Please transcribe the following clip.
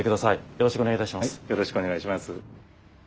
よろしくお願いします。